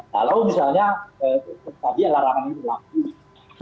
kalau misalnya tadi larangan ini berlaku